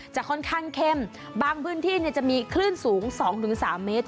จะค่อนข้างเข้มบางพื้นที่จะมีคลื่นสูง๒๓เมตร